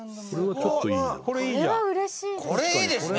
「これは嬉しいですね」